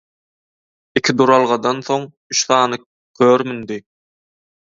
Iki duralgadan soň üç sany kör mündi.